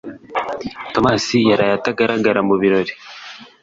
Tomasi yaraye atagaragara mu birori.